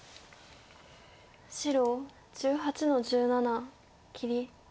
白１８の十七切り。